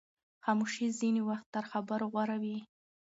خاموشي ځینې وخت تر خبرو غوره وي.